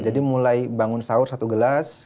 jadi mulai bangun sahur satu gelas